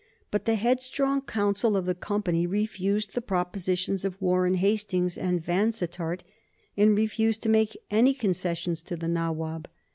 But the headstrong Council of the Company refused the propositions of Warren Hastings and of Vansittart, and refused to make any concessions to the Nawab.